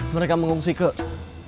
mereka mengungsi ke rumah bunga